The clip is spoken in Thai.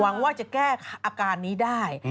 หวังว่าจะแก้อาการนี้ได้